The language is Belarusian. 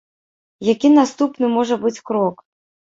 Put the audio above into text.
Які наступны можа быць крок?